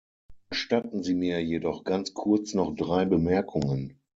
Gestatten Sie mir jedoch ganz kurz noch drei Bemerkungen.